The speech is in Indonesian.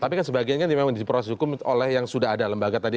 tapi kan sebagian kan memang diperawasi hukum oleh yang sudah ada lembaga tadi